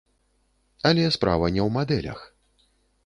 Але справа не ў мадэлях.